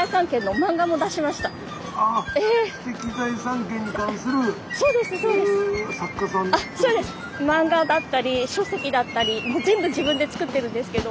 マンガだったり書籍だったり全部自分で作ってるんですけど。